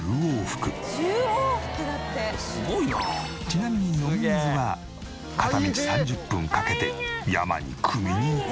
ちなみに飲み水は片道３０分かけて山にくみに行っている。